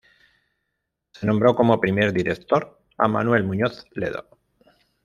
Se nombró como primer director a Manuel Muñoz Ledo.